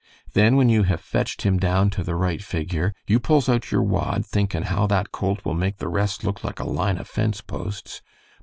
Then, when you have fetched him down to the right figure, you pulls out your wad, thinkin' how that colt will make the rest look like a line of fence posts.